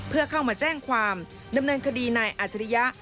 เพื่อเข้ามาแจ้งความดำเนินคดีนายอัจฉริยะ